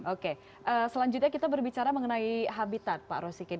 oke selanjutnya kita berbicara mengenai habitat pak rosikin